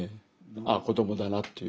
あっ子どもだなっていう。